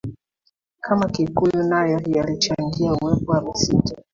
kama kikuyu nayo yalichangia uwepo wa misitu